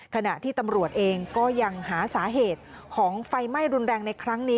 ขณะที่ตำรวจเองก็ยังหาสาเหตุของไฟไหม้รุนแรงในครั้งนี้